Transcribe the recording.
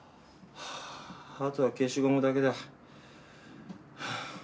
あとは消しゴムだけだ。